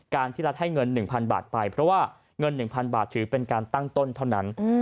ที่รัฐให้เงิน๑๐๐๐บาทไปเพราะว่าเงิน๑๐๐บาทถือเป็นการตั้งต้นเท่านั้น